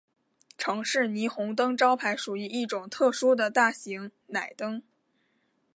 城市霓虹灯招牌属于一种特殊的大型氖灯。